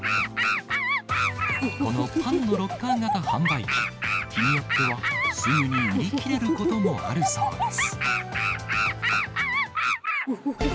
このパンのロッカー型販売機、日によってはすぐに売り切れることもあるそうです。